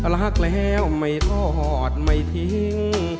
รักแล้วไม่ทอดไม่ทิ้ง